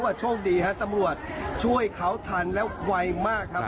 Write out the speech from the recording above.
โชคดีฮะตำรวจช่วยเขาทันและไวมากครับ